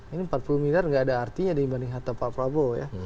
ini empat puluh miliar gak ada artinya dibanding harta pak prabowo ya